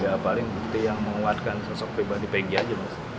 ya paling bukti yang menguatkan sosok peba di peggy aja